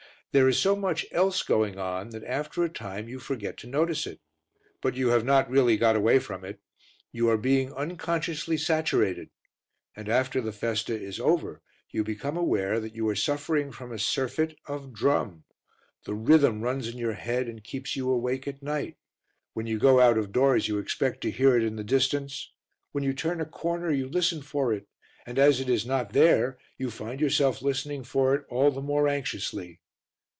There is so much else going on that after a time you forget to notice it. But you have not really got away from it; you are being unconsciously saturated, and after the festa is over you become aware that you are suffering from a surfeit of drum; the rhythm runs in your head and keeps you awake at night; when you go out of doors you expect to hear it in the distance; when you turn a corner you listen for it, and as it is not there you find yourself listening for it all the more anxiously.